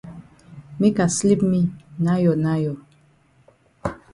Make I sleep me nayo nayo.